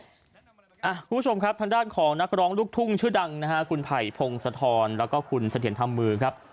คุณผู้ชมครับทางด้านของนักร้องลูกทุ่งชื่อดังนะฮะคุณไผ่พงศธรแล้วก็คุณเสถียรธรรมมือครับ